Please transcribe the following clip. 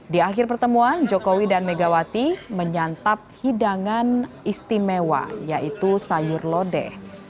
di akhir pertemuan jokowi dan megawati menyantap hidangan istimewa yaitu sayur lodeh